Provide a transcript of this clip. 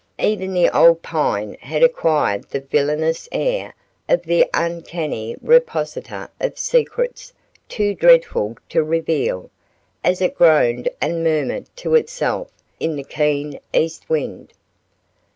Even the old pine had acquired the villainous air of the uncanny repositor of secrets too dreadful to reveal, as it groaned and murmured to itself in the keen east wind.